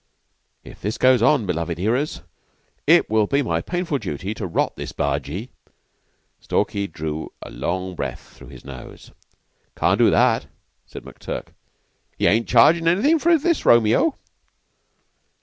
"If this goes on, my beloved 'earers, it will be my painful duty to rot this bargee." Stalky drew a long breath through his nose. "Can't do that," said McTurk. "He ain't chargin' anything for his Romeo."